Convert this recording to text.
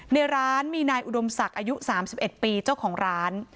ในร้านมีนายอุดมศักดิ์อายุ๓๑ปีเจ้าของร้าน